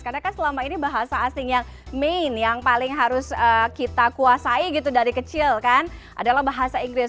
karena kan selama ini bahasa asing yang main yang paling harus kita kuasai gitu dari kecil kan adalah bahasa inggris